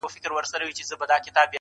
خبره د خبري څخه زېږي.